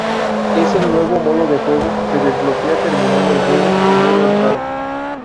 Es el nuevo modo de juego, se desbloquea terminando el juego en modo Arcade.